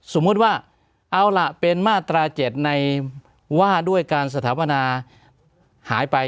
สมมุติว่าเอาล่ะเป็นมาตรา๗ในว่าด้วยการสถาปนาหายไป